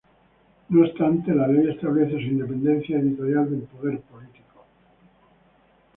No obstante, la Ley establece su independencia editorial del poder político.